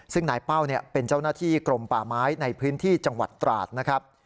ซึ่งนายเป้าเป็นเจ้าหน้าที่กรมป่าไม้ในพื้นที่จังหวัดตราดนะครับ